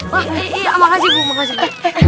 wah iya makasih bu makasih